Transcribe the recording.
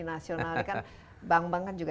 nasional ini kan bank bank kan juga